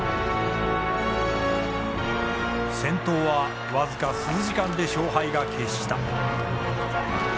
戦闘は僅か数時間で勝敗が決した。